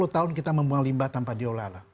enam puluh tahun kita membuang limbah tanpa diolah